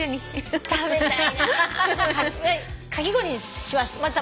「かき氷」にします。